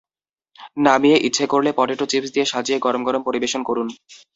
নামিয়ে ইচ্ছে করলে পটেটো চিপস দিয়ে সাজিয়ে গরম গরম পরিবেশন করুন।